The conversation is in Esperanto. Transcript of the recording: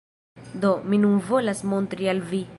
Do, mi nun volas montri al vi